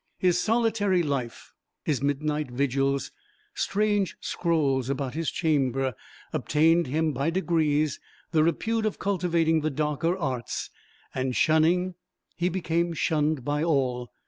His solitary life, his midnight vigils, strange scrolls about his chamber, obtained him by degrees the repute of cultivating the darker arts; and shunning, he became shunned by all.